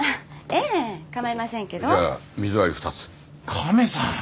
カメさん。